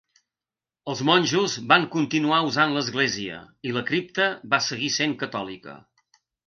Els monjos van continuar usant l'església, i la cripta va seguir sent catòlica.